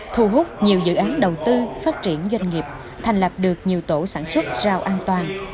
thu hút nhiều dự án đầu tư phát triển doanh nghiệp thành lập được nhiều tổ sản xuất rau an toàn